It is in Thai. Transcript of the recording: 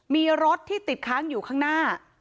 มีรถที่ติดค้างอยู่ข้างหน้า